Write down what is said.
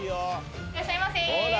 いらっしゃいませ。